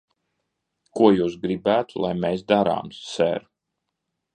Ko jūs gribētu, lai mēs darām, ser?